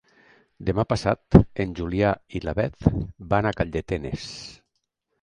Demà passat en Julià i na Beth van a Calldetenes.